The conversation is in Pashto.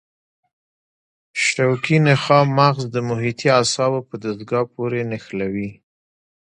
شوکي نخاع مغز د محیطي اعصابو په دستګاه پورې نښلوي.